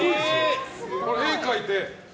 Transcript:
絵を描いて！